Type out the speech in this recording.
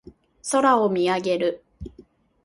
空を見上げる。